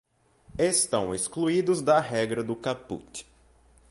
Estão excluídos da regra do caput